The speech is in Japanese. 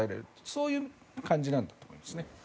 そういう感じなんだと思いますね。